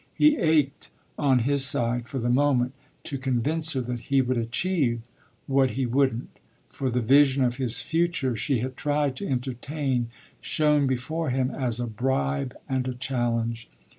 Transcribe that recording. He ached, on his side, for the moment, to convince her that he would achieve what he wouldn't, for the vision of his future she had tried to entertain shone before him as a bribe and a challenge.